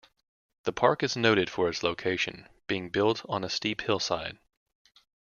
The park is noted for its location - being built on a steep hillside.